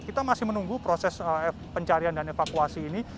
kita masih menunggu proses pencarian dan evakuasi ini